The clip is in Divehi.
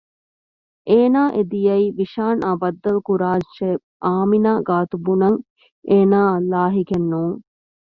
އޭނާ އެ ދިޔައީ ވިޝާން އާ ބައްދަލުކުރަންށޭ އާމިނާ ގާތު ބުނަން އޭނާއަށް ލާހިކެއް ނޫން